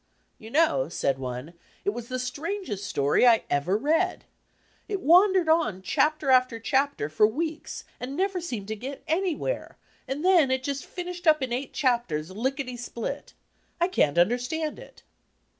'You know,' said one, 'it was the strang est story I ever read. It wandered on, chapter after chapter, for weeks, and never seemed to get anywhere; and then it just finished up in eight chapters, Ikketty spUt. I can't under stand it!'